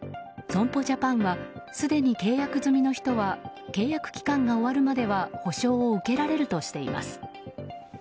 損保ジャパンはすでに契約済みの人は契約期間が終わるまでは補償を受けられるとしています。